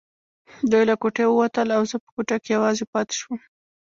دوی له کوټې ووتل او زه په کوټه کې یوازې پاتې شوم.